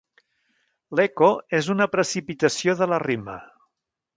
L'eco és una precipitació de la rima.